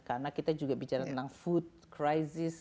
karena kita juga bicara tentang food crisis